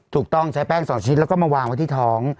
ถูกต้องใช้แป้ง๒ชิ้นแล้วก็มาวางไว้ที่ท้อง